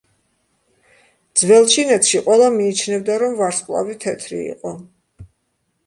ძველ ჩინეთში, ყველა მიიჩნევდა, რომ ვარსკვლავი თეთრი იყო.